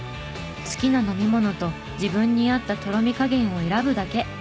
好きな飲み物と自分に合ったとろみ加減を選ぶだけ。